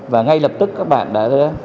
và ngay lập tức các bạn đã